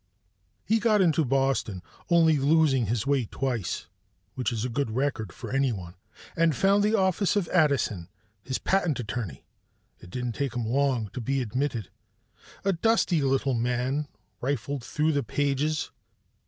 _ He got into Boston, only losing his way twice, which is a good record for anyone, and found the office of Addison, his patent attorney. It didn't take him long to be admitted. The dusty little man riffled through the pages.